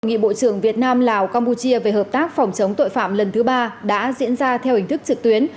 hội nghị bộ trưởng việt nam lào campuchia về hợp tác phòng chống tội phạm lần thứ ba đã diễn ra theo hình thức trực tuyến